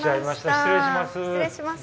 失礼します。